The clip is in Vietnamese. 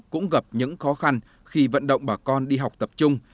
cũng gặp những khó khăn khi vận động bà con đi học tập trung